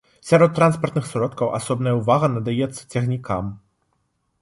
Сярод транспартных сродкаў асобная ўвага надаецца цягнікам.